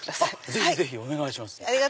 ぜひぜひお願いします！